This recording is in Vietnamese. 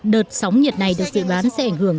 đợt sóng nhiệt này được dự báo sẽ ảnh hưởng